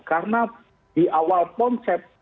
karena di awal pon saya